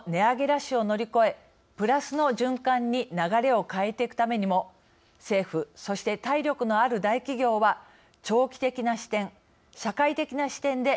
ラッシュを乗り越えプラスの循環に流れを変えていくためにも政府、そして体力のある大企業は長期的な視点、社会的な視点で